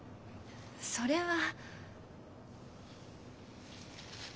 それは。